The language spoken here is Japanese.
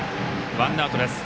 ワンアウトです。